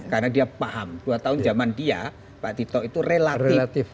karena dia paham dua tahun zaman dia pak tito itu relatif